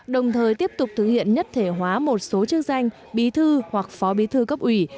đồng thời tiếp tục thực hiện nhất thể hóa một số chức danh bí thư hoặc phó bí thư cấp ủy